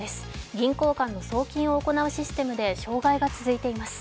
銀行間の送金を行うシステムで障害が続いています。